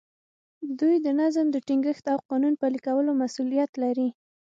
دوی د نظم د ټینګښت او قانون پلي کولو مسوولیت لري.